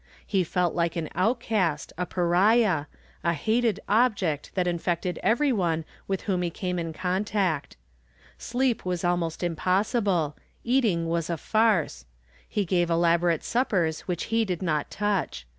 He felt like an outcast, a pariah, a hated object that infected every one with whom he came in contact. Sleep was almost impossible, eating was a farce; he gave elaborate suppers which he did not touch.